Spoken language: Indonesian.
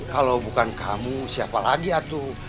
kalau bukan kamu siapa lagi atu